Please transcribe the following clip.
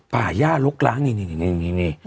ป่าย่าลกล้างนี่